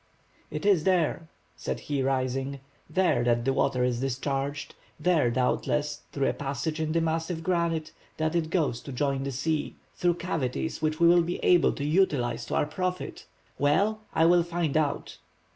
"It is there," said he, rising, "there that the water is discharged, there, doubtless, through a passage in the massive granite that it goes to join the sea, through cavities which we will be able to utilize to our profit! Well! I will find out!"